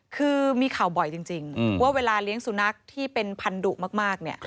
คือมีข่าวบ่อยจริงว่าเวลาเลี้ยงสุนัขที่เป็นพันธุมากเนี่ย